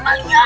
apa sih pak